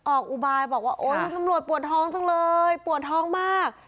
อุบายบอกว่าโอ๊ยลุงตำรวจปวดท้องจังเลยปวดท้องมาก